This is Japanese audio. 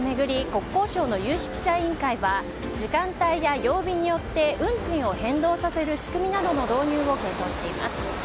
国交省の有識者委員会は時間帯や曜日によって運賃を変動させる仕組みなどの導入を検討しています。